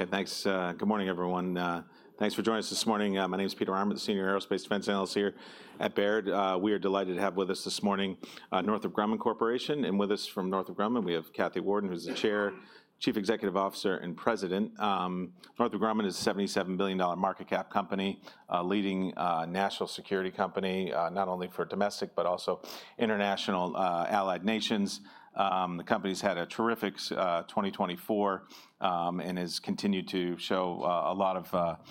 Okay, thanks. Good morning, everyone. Thanks for joining us this morning. My name is Peter Arment, Senior Aerospace Defense Analyst here at Baird. We are delighted to have with us this morning Northrop Grumman Corporation, and with us from Northrop Grumman, we have Kathy Warden, who's the Chair, Chief Executive Officer, and President. Northrop Grumman is a $77 billion market cap company, a leading national security company, not only for domestic but also international allied nations. The company's had a terrific 2024 and has continued to show a lot of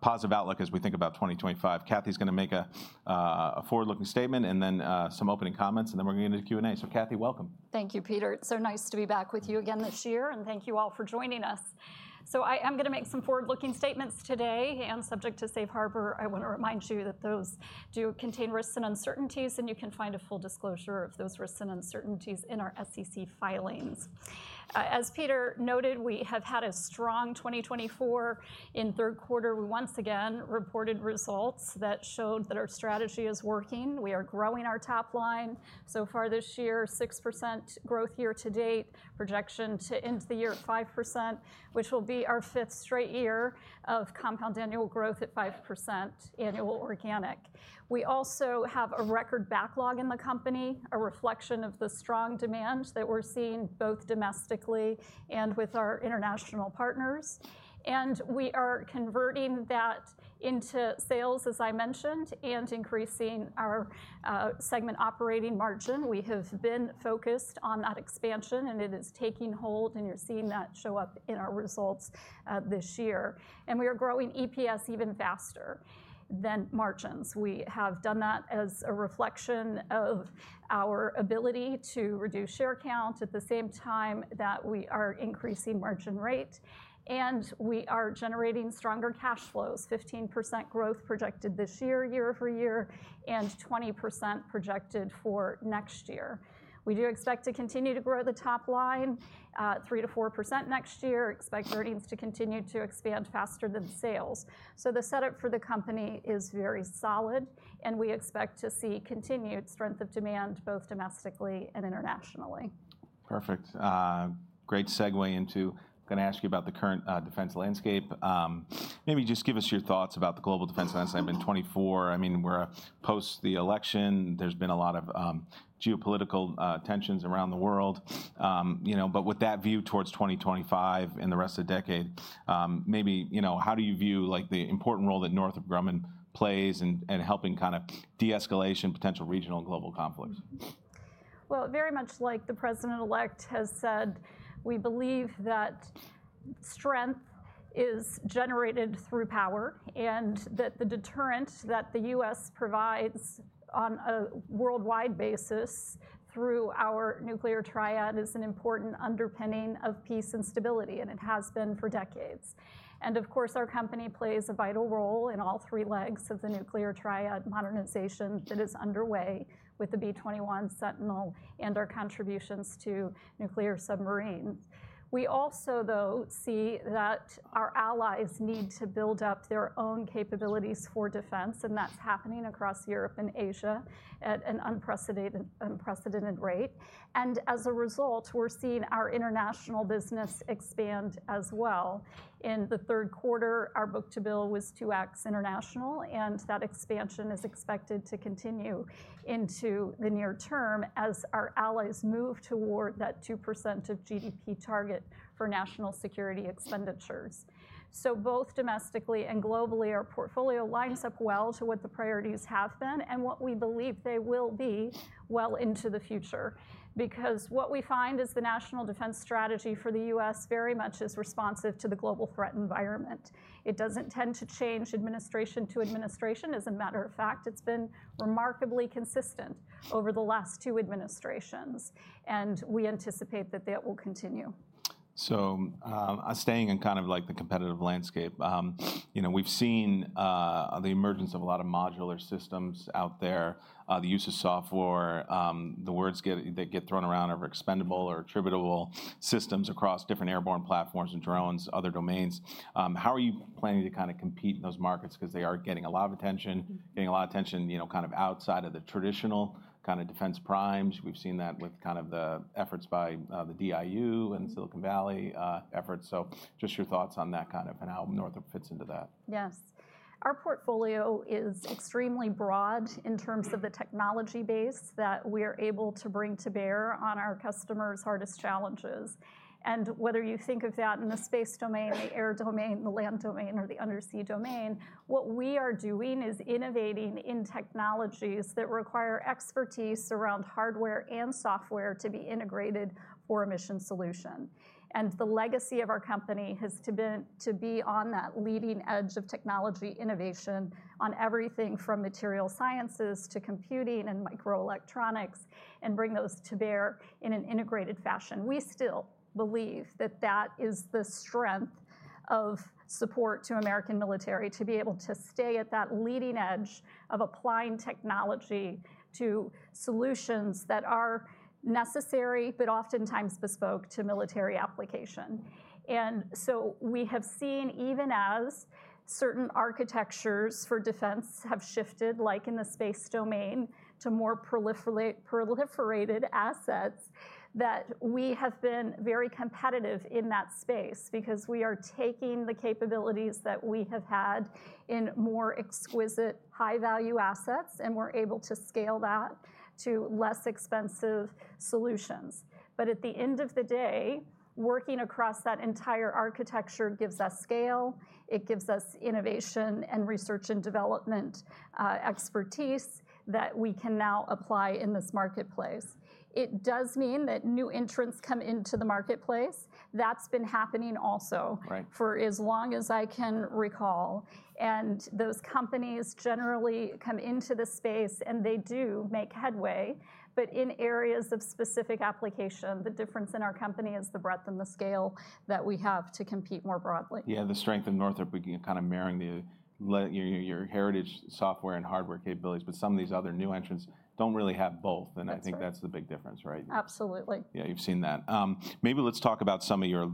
positive outlook as we think about 2025. Kathy's going to make a forward-looking statement and then some opening comments, and then we're going to get into Q&A, so Kathy, welcome. Thank you, Peter. It's so nice to be back with you again this year, and thank you all for joining us, so I am going to make some forward-looking statements today, and subject to Safe Harbor, I want to remind you that those do contain risks and uncertainties, and you can find a full disclosure of those risks and uncertainties in our SEC filings. As Peter noted, we have had a strong 2024. In third quarter, we once again reported results that showed that our strategy is working. We are growing our top line so far this year, 6% growth year to date, projection to end the year at 5%, which will be our fifth straight year of compound annual growth at 5% annual organic. We also have a record backlog in the company, a reflection of the strong demand that we're seeing both domestically and with our international partners. And we are converting that into sales, as I mentioned, and increasing our segment operating margin. We have been focused on that expansion, and it is taking hold, and you're seeing that show up in our results this year. And we are growing EPS even faster than margins. We have done that as a reflection of our ability to reduce share count at the same time that we are increasing margin rate. And we are generating stronger cash flows, 15% growth projected this year, year over year, and 20% projected for next year. We do expect to continue to grow the top line, 3%-4% next year, expect earnings to continue to expand faster than sales. So the setup for the company is very solid, and we expect to see continued strength of demand both domestically and internationally. Perfect. Great segue into, I'm going to ask you about the current defense landscape. Maybe just give us your thoughts about the global defense landscape. In 2024, I mean, we're post the election. There's been a lot of geopolitical tensions around the world. But with that view towards 2025 and the rest of the decade, maybe, you know, how do you view the important role that Northrop Grumman plays in helping kind of de-escalation potential regional and global conflicts? Very much like the President-elect has said, we believe that strength is generated through power and that the deterrent that the U.S. provides on a worldwide basis through our nuclear triad is an important underpinning of peace and stability, and it has been for decades. And of course, our company plays a vital role in all three legs of the nuclear triad modernization that is underway with the B-21, Sentinel and our contributions to nuclear submarines. We also, though, see that our allies need to build up their own capabilities for defense, and that's happening across Europe and Asia at an unprecedented rate. And as a result, we're seeing our international business expand as well. In the third quarter, our book-to-bill was 2x international, and that expansion is expected to continue into the near term as our allies move toward that 2% of GDP target for national security expenditures. So both domestically and globally, our portfolio lines up well to what the priorities have been and what we believe they will be well into the future. Because what we find is the National Defense Strategy for the U.S. very much is responsive to the global threat environment. It doesn't tend to change administration to administration. As a matter of fact, it's been remarkably consistent over the last two administrations, and we anticipate that that will continue. So staying in kind of like the competitive landscape, you know, we've seen the emergence of a lot of modular systems out there, the use of software, the words that get thrown around are expendable or attritable systems across different airborne platforms and drones, other domains. How are you planning to kind of compete in those markets? Because they are getting a lot of attention, you know, kind of outside of the traditional kind of defense primes. We've seen that with kind of the efforts by the DIU and Silicon Valley efforts. So just your thoughts on that kind of and how Northrop fits into that. Yes. Our portfolio is extremely broad in terms of the technology base that we are able to bring to bear on our customers' hardest challenges. And whether you think of that in the space domain, the air domain, the land domain, or the undersea domain, what we are doing is innovating in technologies that require expertise around hardware and software to be integrated for a mission solution. And the legacy of our company has to be on that leading edge of technology innovation on everything from material sciences to computing and microelectronics and bring those to bear in an integrated fashion. We still believe that that is the strength of support to American military to be able to stay at that leading edge of applying technology to solutions that are necessary but oftentimes bespoke to military application. And so we have seen, even as certain architectures for defense have shifted, like in the space domain, to more proliferated assets, that we have been very competitive in that space because we are taking the capabilities that we have had in more exquisite, high-value assets, and we're able to scale that to less expensive solutions. But at the end of the day, working across that entire architecture gives us scale. It gives us innovation and research and development expertise that we can now apply in this marketplace. It does mean that new entrants come into the marketplace. That's been happening also for as long as I can recall. And those companies generally come into the space, and they do make headway. But in areas of specific application, the difference in our company is the breadth and the scale that we have to compete more broadly. Yeah, the strength of Northrop, we can kind of marry your heritage software and hardware capabilities, but some of these other new entrants don't really have both, and I think that's the big difference, right? Absolutely. Yeah, you've seen that. Maybe let's talk about some of your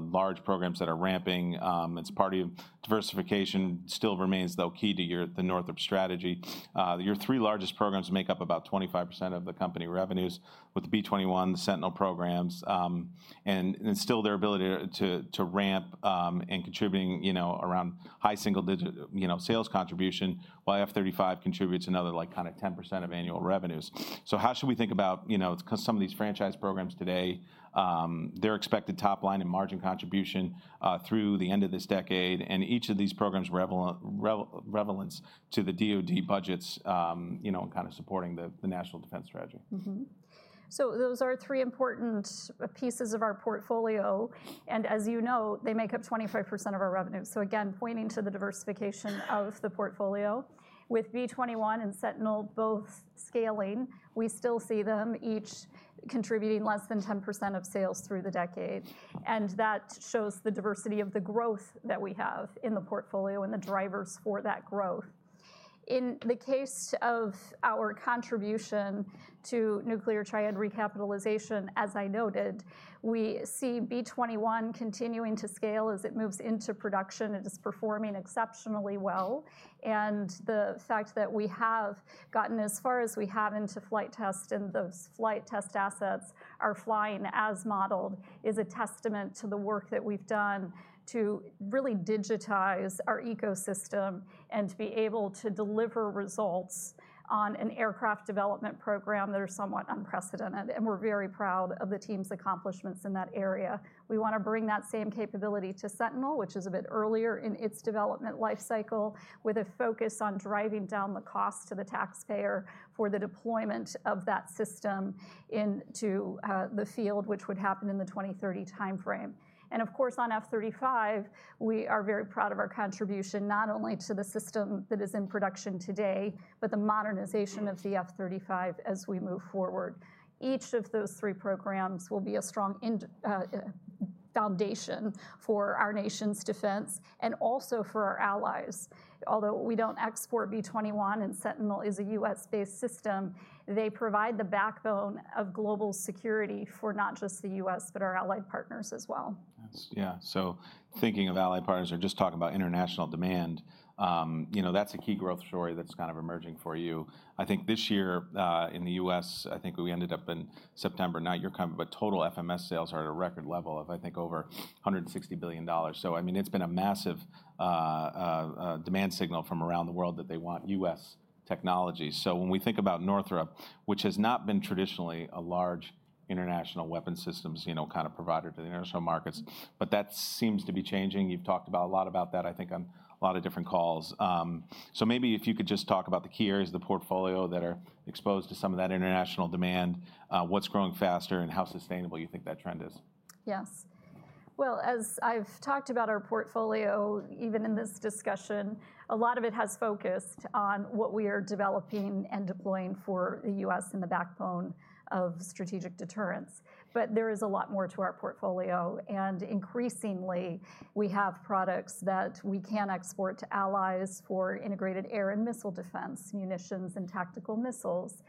large programs that are ramping. It's part of your diversification still remains, though, key to your Northrop strategy. Your three largest programs make up about 25% of the company revenues with the B-21, the Sentinel programs, and still their ability to ramp and contributing around high single-digit sales contribution, while F-35 contributes another like kind of 10% of annual revenues. So how should we think about, you know, some of these franchise programs today? They're expected top line and margin contribution through the end of this decade. Each of these programs are relevant to the DOD budgets, you know, and kind of supporting the National Defense Strategy. Those are three important pieces of our portfolio. As you know, they make up 25% of our revenue. Again, pointing to the diversification of the portfolio. With B-21 and Sentinel both scaling, we still see them each contributing less than 10% of sales through the decade. That shows the diversity of the growth that we have in the portfolio and the drivers for that growth. In the case of our contribution to nuclear triad recapitalization, as I noted, we see B-21 continuing to scale as it moves into production. It is performing exceptionally well. And the fact that we have gotten as far as we have into flight test and those flight test assets are flying as modeled is a testament to the work that we've done to really digitize our ecosystem and to be able to deliver results on an aircraft development program that are somewhat unprecedented. And we're very proud of the team's accomplishments in that area. We want to bring that same capability to Sentinel, which is a bit earlier in its development life cycle, with a focus on driving down the cost to the taxpayer for the deployment of that system into the field, which would happen in the 2030 timeframe. And of course, on F-35, we are very proud of our contribution not only to the system that is in production today, but the modernization of the F-35 as we move forward. Each of those three programs will be a strong foundation for our nation's defense and also for our allies. Although we don't export B-21 and Sentinel is a U.S.-based system, they provide the backbone of global security for not just the U.S., but our allied partners as well. Yeah. So thinking of allied partners or just talking about international demand, you know, that's a key growth story that's kind of emerging for you. I think this year in the U.S., I think we ended up in September, not your company, but total FMS sales are at a record level of, I think, over $160 billion. So, I mean, it's been a massive demand signal from around the world that they want U.S. technologies. So when we think about Northrop, which has not been traditionally a large international weapons systems, you know, kind of provider to the international markets, but that seems to be changing. You've talked a lot about that, I think, on a lot of different calls. Maybe if you could just talk about the key areas of the portfolio that are exposed to some of that international demand, what's growing faster, and how sustainable you think that trend is? Yes, well, as I've talked about our portfolio, even in this discussion, a lot of it has focused on what we are developing and deploying for the U.S. in the backbone of strategic deterrence, but there is a lot more to our portfolio, and increasingly, we have products that we can export to allies for integrated air and missile defense, munitions and tactical missiles,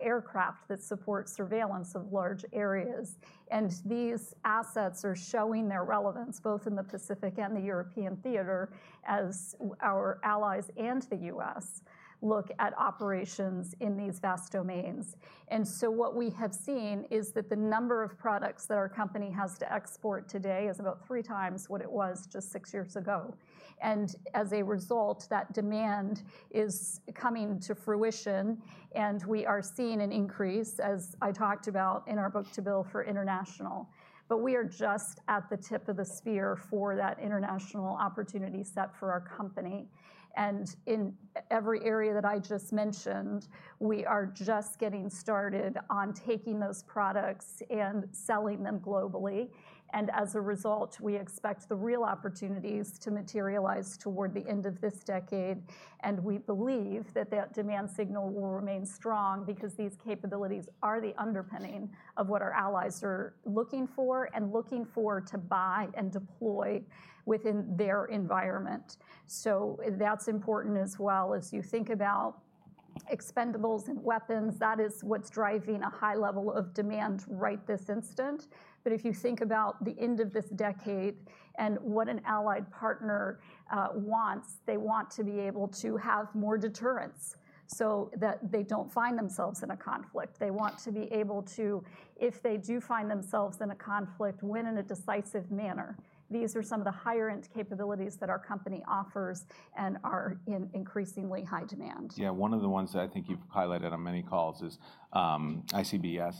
aircraft that support surveillance of large areas, and these assets are showing their relevance both in the Pacific and the European theater as our allies and the U.S. look at operations in these vast domains, and so what we have seen is that the number of products that our company has to export today is about three times what it was just six years ago. As a result, that demand is coming to fruition, and we are seeing an increase, as I talked about in our book-to-bill for international. But we are just at the tip of the iceberg for that international opportunity set for our company. In every area that I just mentioned, we are just getting started on taking those products and selling them globally. As a result, we expect the real opportunities to materialize toward the end of this decade. We believe that that demand signal will remain strong because these capabilities are the underpinning of what our allies are looking for and looking for to buy and deploy within their environment. That's important as well. As you think about expendables and weapons, that is what's driving a high level of demand right this instant. But if you think about the end of this decade and what an allied partner wants, they want to be able to have more deterrence so that they don't find themselves in a conflict. They want to be able to, if they do find themselves in a conflict, win in a decisive manner. These are some of the higher-end capabilities that our company offers and are in increasingly high demand. Yeah. One of the ones that I think you've highlighted on many calls is IBCS.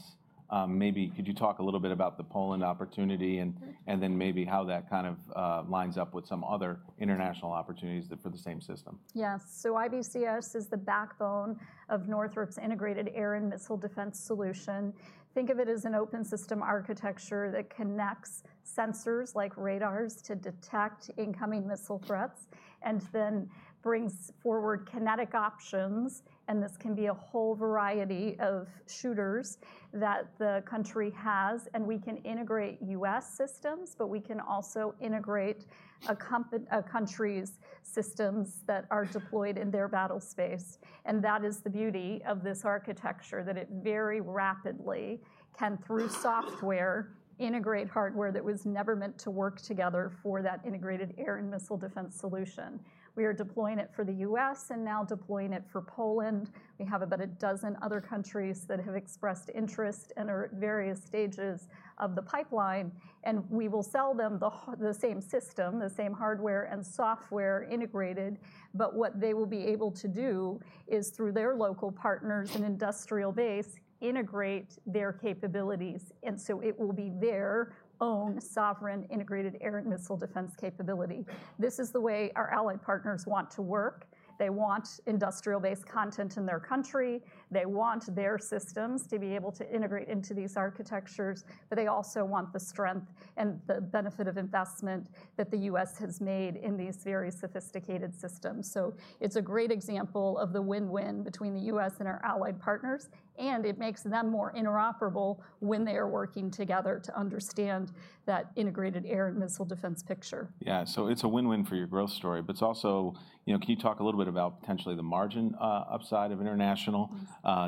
Maybe could you talk a little bit about the Poland opportunity and then maybe how that kind of lines up with some other international opportunities for the same system? Yes, so IBCS is the backbone of Northrop's integrated air and missile defense solution. Think of it as an open system architecture that connects sensors like radars to detect incoming missile threats and then brings forward kinetic options, and this can be a whole variety of shooters that the country has, and we can integrate U.S. systems, but we can also integrate a country's systems that are deployed in their battlespace, and that is the beauty of this architecture, that it very rapidly can, through software, integrate hardware that was never meant to work together for that integrated air and missile defense solution. We are deploying it for the U.S. and now deploying it for Poland. We have about a dozen other countries that have expressed interest and are at various stages of the pipeline, and we will sell them the same system, the same hardware and software integrated. But what they will be able to do is, through their local partners and industrial base, integrate their capabilities. And so it will be their own sovereign integrated air and missile defense capability. This is the way our allied partners want to work. They want industrial-based content in their country. They want their systems to be able to integrate into these architectures. But they also want the strength and the benefit of investment that the U.S. has made in these very sophisticated systems. So it's a great example of the win-win between the U.S. and our allied partners. And it makes them more interoperable when they are working together to understand that integrated air and missile defense picture. Yeah. So it's a win-win for your growth story. But it's also, you know, can you talk a little bit about potentially the margin upside of international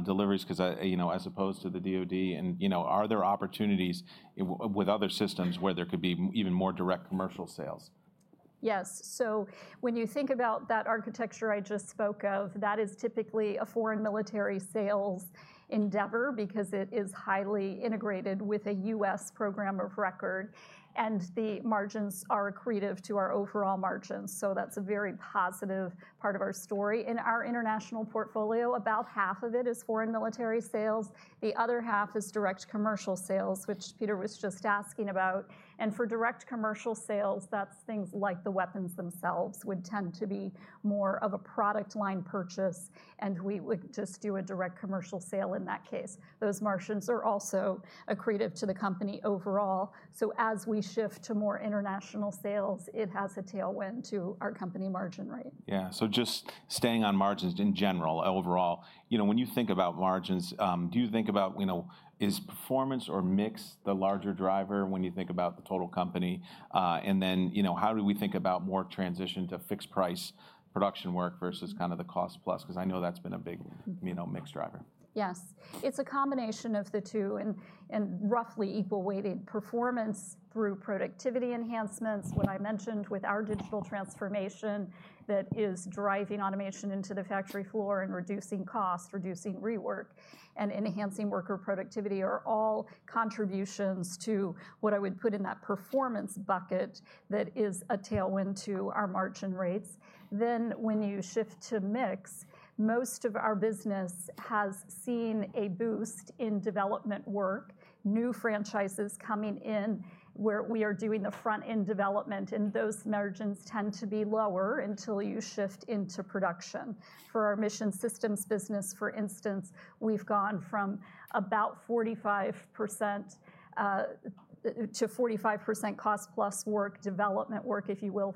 deliveries? Because, you know, as opposed to the DOD, and, you know, are there opportunities with other systems where there could be even more Direct Commercial Sales? Yes, so when you think about that architecture I just spoke of, that is typically a Foreign Military Sales endeavor because it is highly integrated with a U.S. program of record, and the margins are accretive to our overall margins, so that's a very positive part of our story. In our international portfolio, about half of it is Foreign Military Sales. The other half is Direct Commercial Sales, which Peter was just asking about, and for Direct Commercial Sales, that's things like the weapons themselves would tend to be more of a product line purchase, and we would just do a direct commercial sale in that case. Those margins are also accretive to the company overall, so as we shift to more international sales, it has a tailwind to our company margin rate. Yeah. So just staying on margins in general, overall, you know, when you think about margins, do you think about, you know, is performance or mix the larger driver when you think about the total company? And then, you know, how do we think about more transition to fixed price production work versus kind of the cost plus? Because I know that's been a big, you know, mix driver. Yes. It's a combination of the two and roughly equal weighted performance through productivity enhancements. What I mentioned with our digital transformation that is driving automation into the factory floor and reducing cost, reducing rework, and enhancing worker productivity are all contributions to what I would put in that performance bucket that is a tailwind to our margin rates. Then when you shift to mix, most of our business has seen a boost in development work, new franchises coming in where we are doing the front-end development. And those margins tend to be lower until you shift into production. For our Mission Systems business, for instance, we've gone from about 35% to 45% cost-plus work, development work, if you will.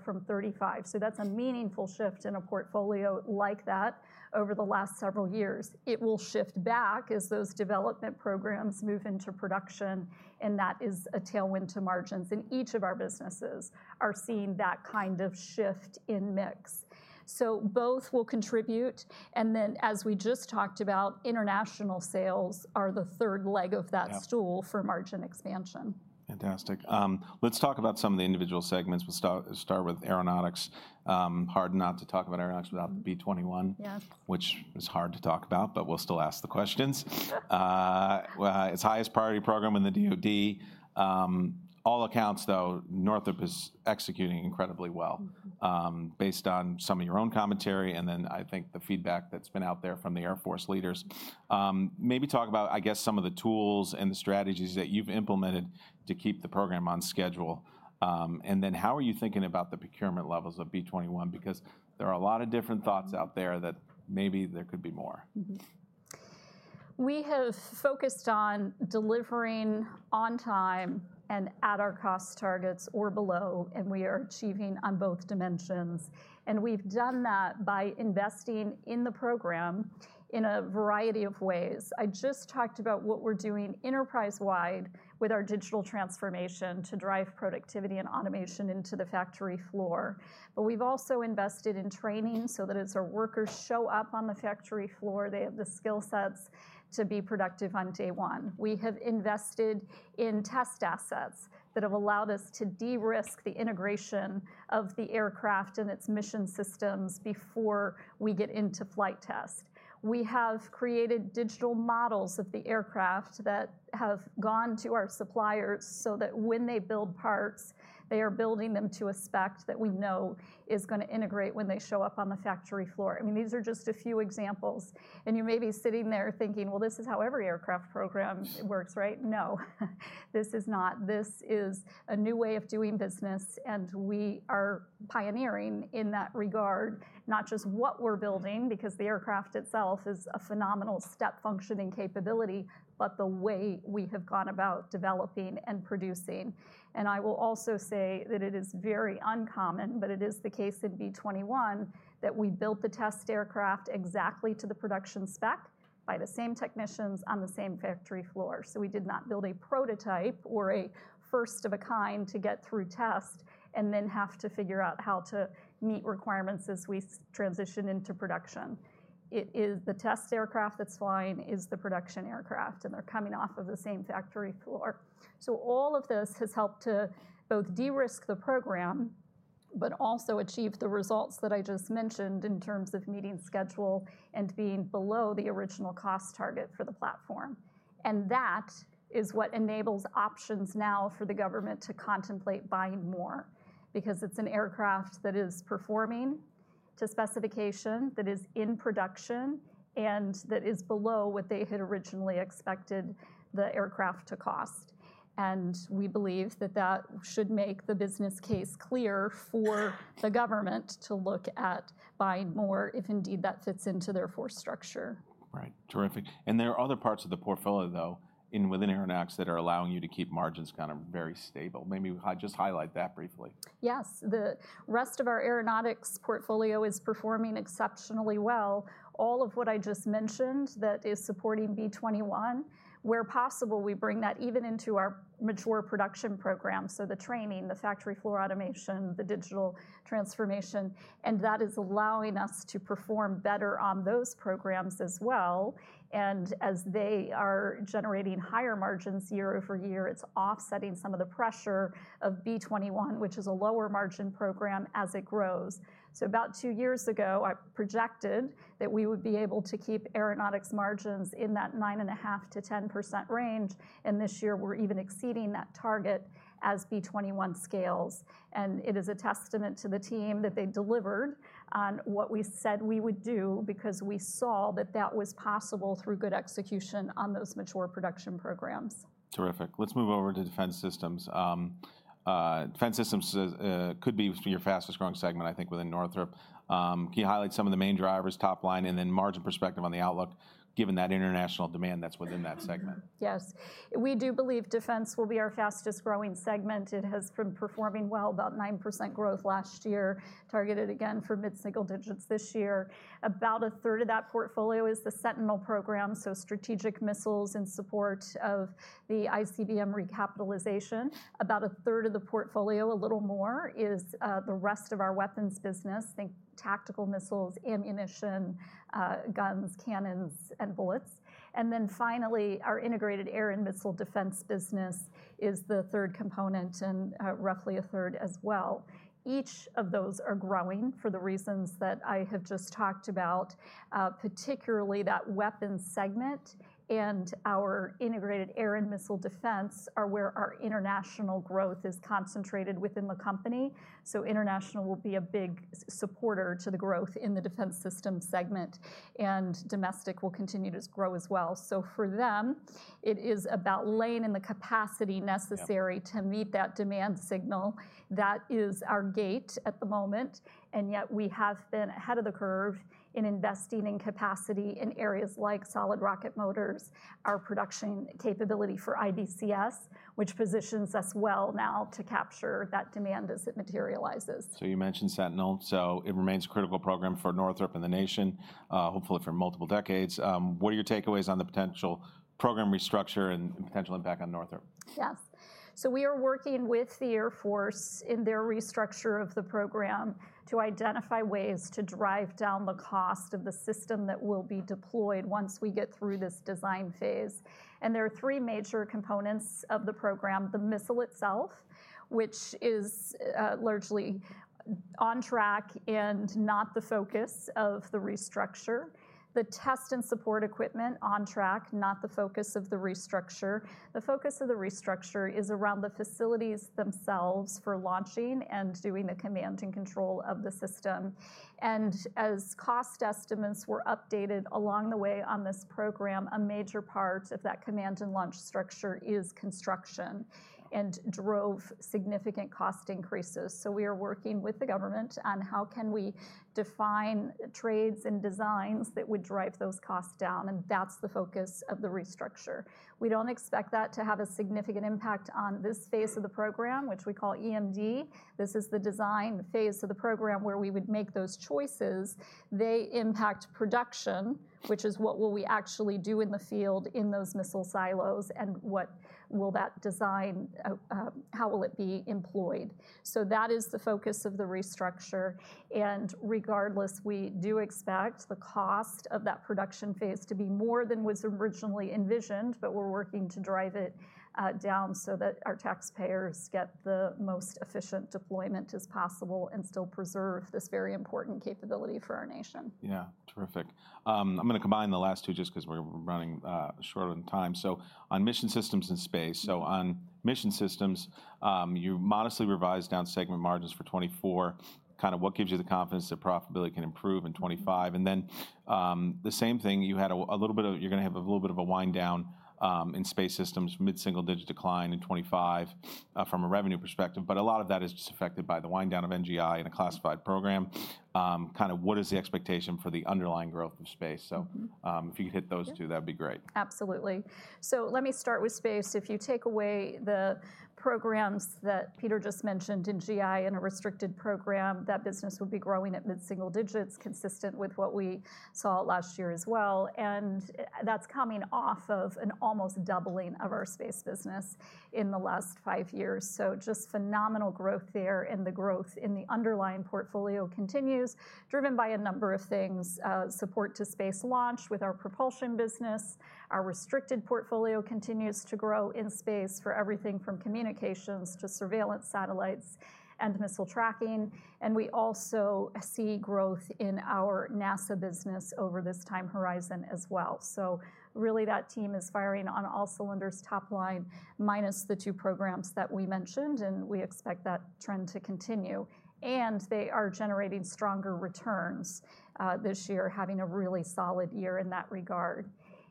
So that's a meaningful shift in a portfolio like that over the last several years. It will shift back as those development programs move into production. And that is a tailwind to margins. And each of our businesses are seeing that kind of shift in mix. So both will contribute. And then, as we just talked about, international sales are the third leg of that stool for margin expansion. Fantastic. Let's talk about some of the individual segments. We'll start with Aeronautics. Hard not to talk about Aeronautics without the B-21, which is hard to talk about, but we'll still ask the questions. It's the highest priority program in the DOD. All accounts, though, Northrop is executing incredibly well based on some of your own commentary and then, I think, the feedback that's been out there from the Air Force leaders. Maybe talk about, I guess, some of the tools and the strategies that you've implemented to keep the program on schedule, and then how are you thinking about the procurement levels of B-21? Because there are a lot of different thoughts out there that maybe there could be more. We have focused on delivering on time and at our cost targets or below. And we are achieving on both dimensions. And we've done that by investing in the program in a variety of ways. I just talked about what we're doing enterprise-wide with our digital transformation to drive productivity and automation into the factory floor. But we've also invested in training so that as our workers show up on the factory floor, they have the skill sets to be productive on day one. We have invested in test assets that have allowed us to de-risk the integration of the aircraft and its Mission Systems before we get into flight test. We have created digital models of the aircraft that have gone to our suppliers so that when they build parts, they are building them to a spec that we know is going to integrate when they show up on the factory floor. I mean, these are just a few examples. And you may be sitting there thinking, well, this is how every aircraft program works, right? No. This is not. This is a new way of doing business. And we are pioneering in that regard, not just what we're building, because the aircraft itself is a phenomenal step functioning capability, but the way we have gone about developing and producing. And I will also say that it is very uncommon, but it is the case in B-21 that we built the test aircraft exactly to the production spec by the same technicians on the same factory floor. We did not build a prototype or a first of a kind to get through test and then have to figure out how to meet requirements as we transition into production. It is the test aircraft that's flying is the production aircraft, and they're coming off of the same factory floor. All of this has helped to both de-risk the program, but also achieve the results that I just mentioned in terms of meeting schedule and being below the original cost target for the platform. That is what enables options now for the government to contemplate buying more, because it's an aircraft that is performing to specification, that is in production, and that is below what they had originally expected the aircraft to cost. We believe that that should make the business case clear for the government to look at buying more if indeed that fits into their force structure. Right. Terrific. And there are other parts of the portfolio, though, within Aeronautics that are allowing you to keep margins kind of very stable. Maybe just highlight that briefly. Yes. The rest of our Aeronautics portfolio is performing exceptionally well. All of what I just mentioned that is supporting B-21, where possible, we bring that even into our mature production program. So the training, the factory floor automation, the digital transformation. And that is allowing us to perform better on those programs as well. And as they are generating higher margins year over year, it's offsetting some of the pressure of B-21, which is a lower margin program as it grows. So about two years ago, I projected that we would be able to keep Aeronautics margins in that 9.5%-10% range. And this year, we're even exceeding that target as B-21 scales. And it is a testament to the team that they delivered on what we said we would do because we saw that that was possible through good execution on those mature production programs. Terrific. Let's move over to Defense Systems. Defense systems could be your fastest growing segment, I think, within Northrop. Can you highlight some of the main drivers, top line, and then margin perspective on the outlook, given that international demand that's within that segment? Yes. We do believe Defense will be our fastest growing segment. It has been performing well, about 9% growth last year, targeted again for mid-single digits this year. About a third of that portfolio is the Sentinel program, so strategic missiles in support of the ICBM recapitalization. About a third of the portfolio, a little more, is the rest of our weapons business, think tactical missiles, ammunition, guns, cannons, and bullets. And then finally, our Integrated Air and Missile Defense business is the third component and roughly a third as well. Each of those are growing for the reasons that I have just talked about, particularly that weapons segment and our Integrated Air and Missile Defense are where our international growth is concentrated within the company. So international will be a big supporter to the growth in the Defense Systems segment. And domestic will continue to grow as well. So for them, it is about laying in the capacity necessary to meet that demand signal. That is our gate at the moment. And yet we have been ahead of the curve in investing in capacity in areas like solid rocket motors, our production capability for IBCS, which positions us well now to capture that demand as it materializes. So you mentioned Sentinel. So it remains a critical program for Northrop and the nation, hopefully for multiple decades. What are your takeaways on the potential program restructure and potential impact on Northrop? Yes. So we are working with the Air Force in their restructure of the program to identify ways to drive down the cost of the system that will be deployed once we get through this design phase. And there are three major components of the program: the missile itself, which is largely on track and not the focus of the restructure. The test and support equipment on track, not the focus of the restructure. The focus of the restructure is around the facilities themselves for launching and doing the command and control of the system. And as cost estimates were updated along the way on this program, a major part of that command and launch structure is construction and drove significant cost increases. So we are working with the government on how can we define trades and designs that would drive those costs down. And that's the focus of the restructure. We don't expect that to have a significant impact on this phase of the program, which we call EMD. This is the design phase of the program where we would make those choices. They impact production, which is what will we actually do in the field in those missile silos and what will that design, how will it be employed. So that is the focus of the restructure. And regardless, we do expect the cost of that production phase to be more than was originally envisioned, but we're working to drive it down so that our taxpayers get the most efficient deployment as possible and still preserve this very important capability for our nation. Yeah. Terrific. I'm going to combine the last two just because we're running short on time. So on Mission Systems and Space, so on Mission Systems, you modestly revised down segment margins for 2024. Kind of what gives you the confidence that profitability can improve in 2025? And then the same thing, you had a little bit of, you're going to have a little bit of a wind down in Space Systems, mid-single digit decline in 2025 from a revenue perspective. But a lot of that is just affected by the wind down of NGI and a classified program. Kind of what is the expectation for the underlying growth of space? So if you could hit those two, that would be great. Absolutely. So let me start with Space. If you take away the programs that Peter just mentioned, NGI and a restricted program, that business would be growing at mid-single digits, consistent with what we saw last year as well. And that's coming off of an almost doubling of our Space business in the last five years. So just phenomenal growth there and the growth in the underlying portfolio continues, driven by a number of things: support to space launch with our propulsion business. Our restricted portfolio continues to grow in space for everything from communications to surveillance satellites and missile tracking. And we also see growth in our NASA business over this time horizon as well. So really that team is firing on all cylinders, top line, minus the two programs that we mentioned. And we expect that trend to continue. And they are generating stronger returns this year, having a really solid year in that regard.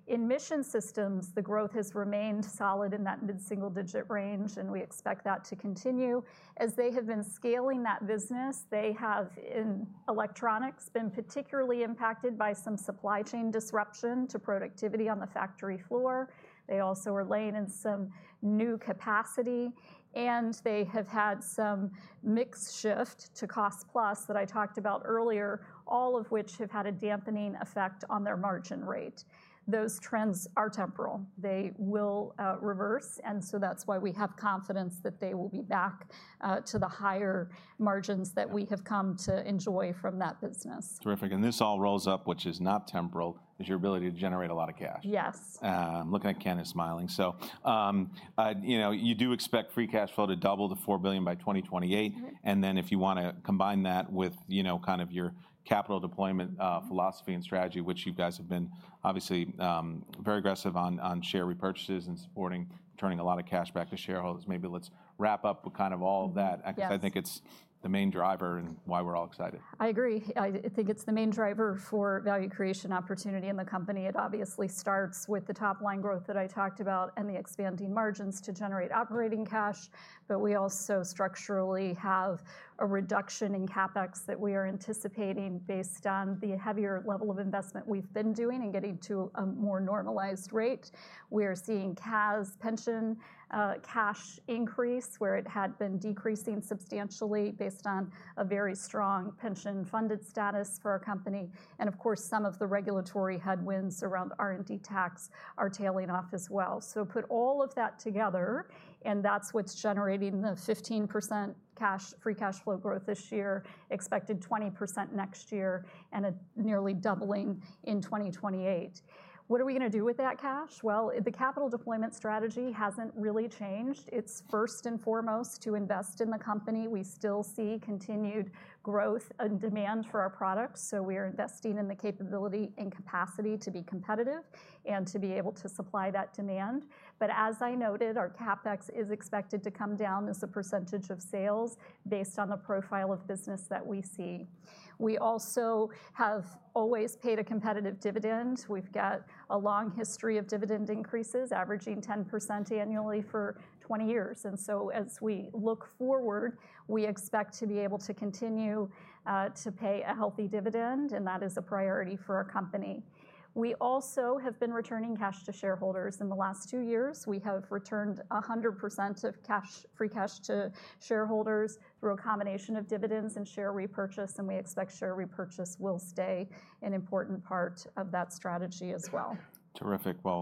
In Mission Systems, the growth has remained solid in that mid-single digit range. And we expect that to continue. As they have been scaling that business, they have in electronics been particularly impacted by some supply chain disruption to productivity on the factory floor. They also are laying in some new capacity. And they have had some mixed shift to cost plus that I talked about earlier, all of which have had a dampening effect on their margin rate. Those trends are temporal. They will reverse. And so that's why we have confidence that they will be back to the higher margins that we have come to enjoy from that business. Terrific. And this all rolls up, which is not temporal, is your ability to generate a lot of cash. Yes. I'm looking at [Kenneth] smiling. So you do expect free cash flow to double to $4 billion by 2028. And then if you want to combine that with kind of your capital deployment philosophy and strategy, which you guys have been obviously very aggressive on share repurchases and supporting, turning a lot of cash back to shareholders, maybe let's wrap up with kind of all of that. I think it's the main driver and why we're all excited. I agree. I think it's the main driver for value creation opportunity in the company. It obviously starts with the top line growth that I talked about and the expanding margins to generate operating cash. But we also structurally have a reduction in CapEx that we are anticipating based on the heavier level of investment we've been doing and getting to a more normalized rate. We are seeing CAS pension cash increase where it had been decreasing substantially based on a very strong pension-funded status for our company. And of course, some of the regulatory headwinds around R&D tax are tailing off as well. So put all of that together, and that's what's generating the 15% free cash flow growth this year, expected 20% next year, and a nearly doubling in 2028. What are we going to do with that cash? Well, the capital deployment strategy hasn't really changed. It's first and foremost to invest in the company. We still see continued growth and demand for our products. So we are investing in the capability and capacity to be competitive and to be able to supply that demand. But as I noted, our CapEx is expected to come down as a percentage of sales based on the profile of business that we see. We also have always paid a competitive dividend. We've got a long history of dividend increases averaging 10% annually for 20 years. And so as we look forward, we expect to be able to continue to pay a healthy dividend. And that is a priority for our company. We also have been returning cash to shareholders in the last two years. We have returned 100% of free cash to shareholders through a combination of dividends and share repurchase. We expect share repurchase will stay an important part of that strategy as well. Terrific.